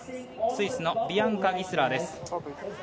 スイスのビアンカ・ギスラーです。